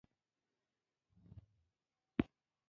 له تاسو څخه څوک لاندې پوښتنو ته ځوابونه ویلای شي.